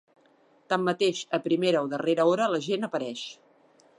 Tanmateix, a primera o darrera hora la gent apareix.